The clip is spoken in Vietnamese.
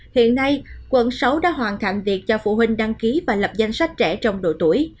hiện nay quận sáu đã hoàn thành việc cho phụ huynh đăng ký và lập danh sách trẻ trong độ tuổi